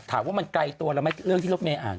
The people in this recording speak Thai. ถามว่ามันไกลตัวละมั้ยเรื่องที่เราไม่อ่าน